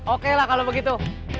oke lah kalau begitu